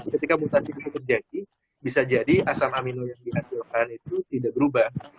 ketika mutasi itu terjadi bisa jadi asam amino yang dihasilkan itu tidak berubah